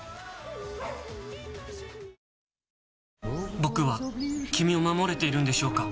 僕は君を守れているんでしょうか？